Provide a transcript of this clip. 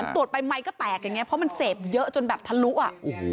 ตรวจไปไมค์ก็แตกอย่างนี้เพราะมันเสพเยอะจนแบบทะลุอ่ะ